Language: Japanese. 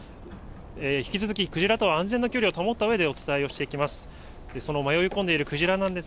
引き続きクジラとは安全な距離を保ったうえで、お伝えをしていきます。